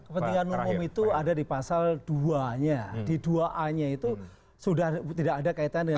kepentingan umum itu ada di pasal dua nya di dua a nya itu sudah tidak ada kaitannya dengan